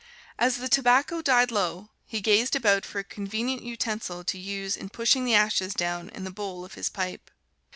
As the tobacco died low, he gazed about for a convenient utensil to use in pushing the ashes down in the bowl of his pipe.